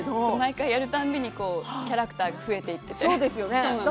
毎回やる度にキャラクターが増えていっていて。